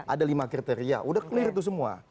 ada lima kriteria udah clear itu semua